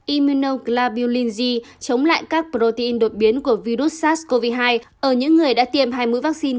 emino clabilling chống lại các protein đột biến của virus sars cov hai ở những người đã tiêm hai mũi vaccine